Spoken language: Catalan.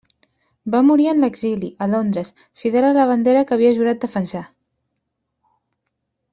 Va morir en l'exili, a Londres, fidel a la bandera que havia jurat defensar.